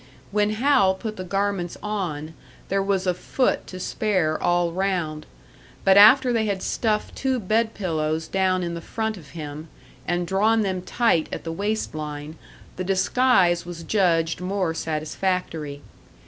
When Hal put the garments on, there was a foot to spare all round; but after they had stuffed two bed pillows down in the front of him, and drawn them tight at the waist line, the disguise was judged more satisfactory.